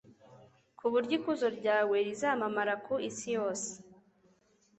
ku buryo ikuzo ryawe rizamamara ku isi yose